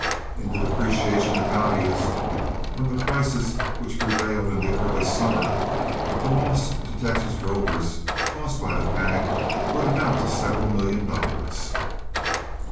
In the depreciation of values from the prices which prevailed in the early summer, the losses to the Texas drovers, caused by the panic, would amount to several million dollars.